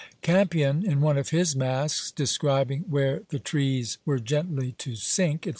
Campion, in one of his Masques, describing where the trees were gently to sink, &c.